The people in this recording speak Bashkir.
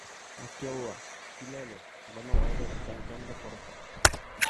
— Акела, кил әле, бынау әҙәм теңкәмде ҡорота!